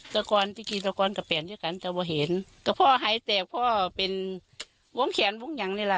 ตะกอนที่กินตะกอนกับแผนเยอะกันเจ้าไม่เห็นก็พ่อหายแตกพ่อเป็นวงแขนวงหยังนี่ล่ะ